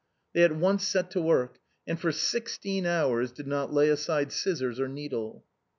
They at once set to work, and for sixteen hours did not lay aside scissors or needle.